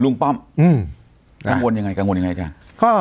ลุงป้อมกังวลยังไงจ้ะ